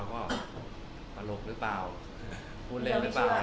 ตอนนั้นจำได้แต่ว่ามันรู้สึกยังไงบ้าง